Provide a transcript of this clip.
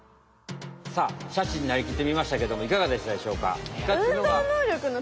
さあシャチになりきってみましたけどもいかがでしたでしょうか？